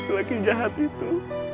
laki laki jahat itu